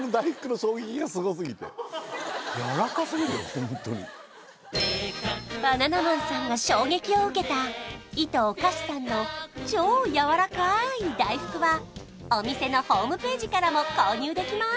ホントにバナナマンさんが衝撃を受けたＩｔＷｏｋａｓｈｉさんの超やわらかい大福はお店のホームページからも購入できます